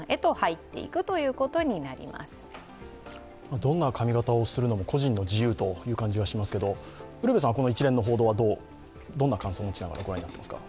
どんな髪形をするのも個人の自由という感じがしますけどウルヴェさんはこの一連の報道はどんな感想を持って見ていますか？